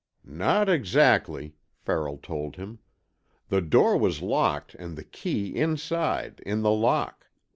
"Not exactly," Farrell told him. "The door was locked and the key inside, in the lock.